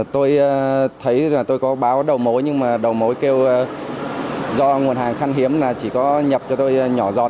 tôi thấy là tôi có báo đầu mối nhưng mà đầu mối kêu do nguồn hàng khăn hiếm là chỉ có nhập cho tôi nhỏ giọt